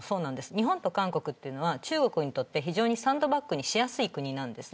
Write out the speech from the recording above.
日本と韓国は中国にとって非常にサンドバッグにしやすい国なんです。